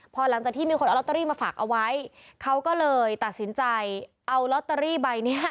พอหลังจากที่มีคนเอาลอตเตอรี่มาฝากเอาไว้เขาก็เลยตัดสินใจเอาลอตเตอรี่ใบเนี้ย